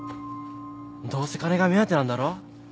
どうせ金が目当てなんだろ。